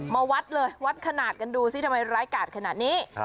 มาวัดเลยวัดขนาดกันดูสิทำไมร้ายกาดขนาดนี้